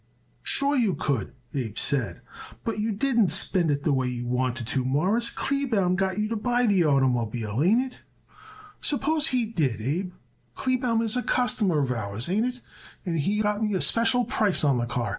"Sure, you could," Abe said. "But you didn't spend it the way you wanted to, Mawruss. Kleebaum got you to buy the oitermobile. Ain't it?" "Suppose he did, Abe? Kleebaum is a customer of ours. Ain't it? And he got me also a special price on the car.